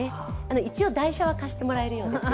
一応、台車は貸してもらえるようですよ。